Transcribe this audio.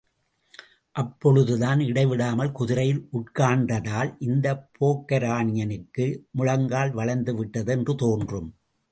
அப்பொழுதுதான், இடைவிடாமல் குதிரையில் உட்கார்ந்ததால் இந்த போக்கரானியனுக்கு முழங்கால் வளைந்துவிட்டது என்று தோன்றும்.